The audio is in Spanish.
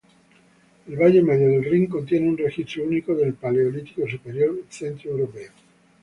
El valle medio del Rin contiene un registro único del Paleolítico Superior centroeuropeo.